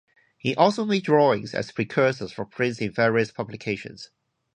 He also made drawings as precursors for prints in various publications.